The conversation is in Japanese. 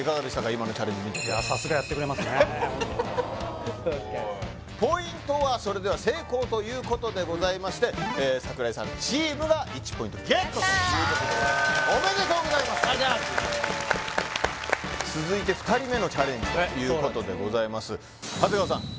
今のチャレンジ見ててポイントはそれでは成功ということでございまして櫻井さんチームが１ポイントＧＥＴということでございますおめでとうございますありがとうございますのチャレンジということでございます長谷川さん